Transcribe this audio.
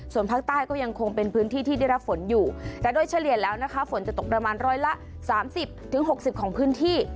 ส่วนภาคใต้ก็ยังคงเป็นพื้นที่ที่ได้รับฝนอยู่แต่โดยเฉลี่ยแล้วนะคะฝนจะตกประมาณร้อยละ๓๐๖๐ของพื้นที่